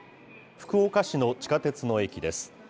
福岡市の地下鉄の駅です。